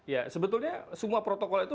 ya sebetulnya semua protokol itu